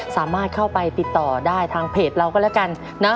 สามารถเข้าไปติดต่อได้ทางเพจเราก็แล้วกันนะ